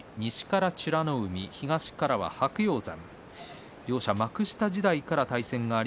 西から美ノ海に東から白鷹山。